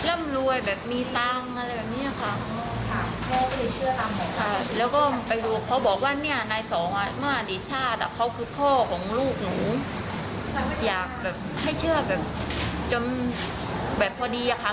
ทำร้ายลูกอ่ะค่ะเค้าอยากใช้ชีวิตบนโลกค่ะจริงมากกว่าค่ะ